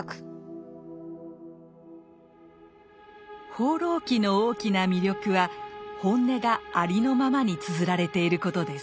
「放浪記」の大きな魅力は本音がありのままにつづられていることです。